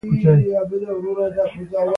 زه املا تمرین کوم.